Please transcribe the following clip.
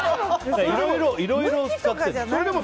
いろいろ使ってるの。